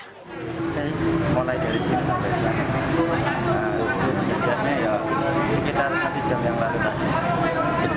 terjagaan terjagaan sekitar satu jam yang baru tadi